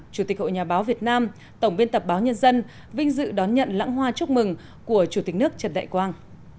chủ tịch hội nhà báo việt nam tổng biên tập báo nhân dân vinh dự đón nhận lãng hoa chúc mừng của chủ tịch nước trần đại quang